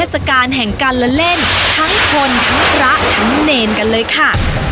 สการแห่งการละเล่นทั้งคนทั้งพระทั้งเนรกันเลยค่ะ